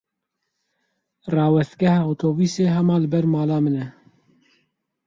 Rawestgeha otobûsê hema li ber mala min e.